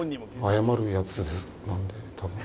謝るやつなんで多分。